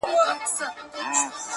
ټول مرغان دي په یوه خوله او سلا وي-